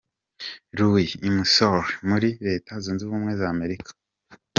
Louis, i Missouri, muri reta zunze ubumwe za Amerika.